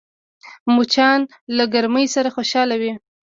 مچان له ګرمۍ سره خوشحال وي